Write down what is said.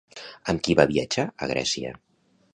Amb qui va viatjar a Grècia?